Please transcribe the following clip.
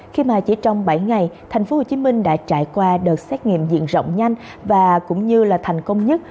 khi mà chỉ trong bảy ngày tp hcm đã trải qua đợt xét nghiệm diện rộng nhanh và cũng như là thành công nhất